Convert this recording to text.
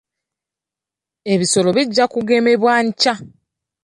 Ebisolo bijja kugemebwa nkya.